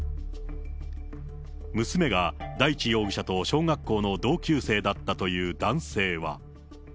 娘が大地容疑者と小学校の同級生だったという男性は。